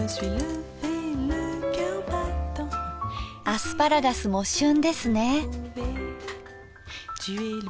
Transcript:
アスパラガスも旬ですね。